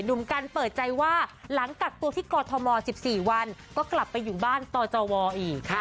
หนุ่มกันเปิดใจว่าหลังกักตัวที่กอทม๑๔วันก็กลับไปอยู่บ้านตวอีกค่ะ